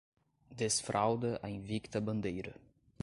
Desfralda a invicta bandeira